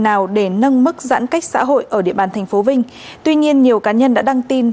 nào để nâng mức giãn cách xã hội ở địa bàn tp vinh tuy nhiên nhiều cá nhân đã đăng tin